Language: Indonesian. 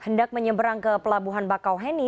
hendak menyeberang ke pelabuhan bakau heni